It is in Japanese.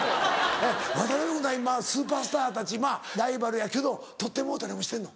渡君は今スーパースターたちライバルやけど撮ってもろうたりもしてんの？